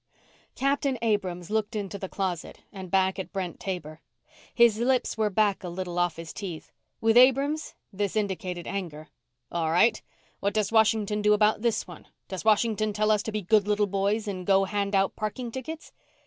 Captain Abrams looked into the closet and back at Brent Taber. His lips were back a little off his teeth. With Abrams, this indicated anger. "All right. What does Washington do about this one? Does Washington tell us to be good little boys and go hand out parking tickets?"